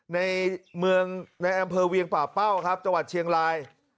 ในเมืองในอำเภอเวียงป่าเป้าครับจังหวัดเชียงราย